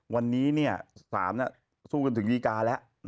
วันนี้เนี่ยสามนั้นสู้กันถึงวีกาละ